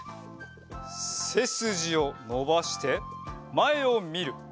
せすじをのばしてまえをみる。